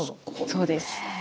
そうです。